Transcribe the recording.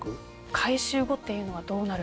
回収後っていうのはどうなるんですか？